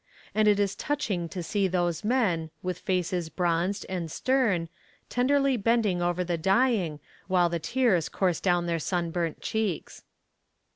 And it is touching to see those men, with faces bronzed and stern, tenderly bending over the dying, while the tears course down their sunburnt cheeks.